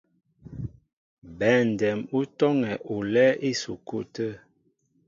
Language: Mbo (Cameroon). Bɛndɛm ú tɔ́ŋɛ olɛ́ɛ́ ísukúlu tə̂.